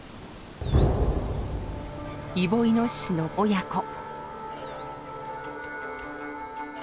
イボイノシシの親子。